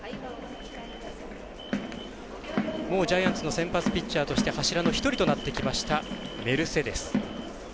もうジャイアンツの先発ピッチャーとして柱の１人となってきましたメルセデス。